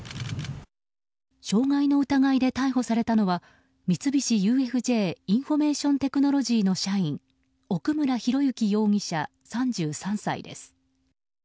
傷害の疑いで逮捕されたのは三菱ＵＦＪインフォメーションテクノロジーの社員奥村啓志容疑者、３３歳です。